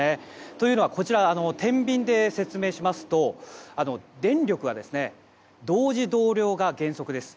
というのは、こちらてんびんで説明しますと電力は同時同量が原則です。